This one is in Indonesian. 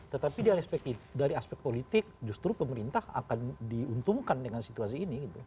tetapi dari aspek politik justru pemerintah akan diuntungkan dengan situasi ini